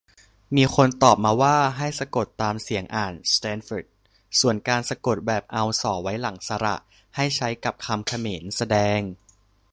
มีคนตอบมาว่า ให้สะกดตามเสียงอ่าน สแตนฟอร์ด ส่วนการสะกดแบบเอา ส ไว้ หลังสระ ให้ใช้กับคำเขมร แสดง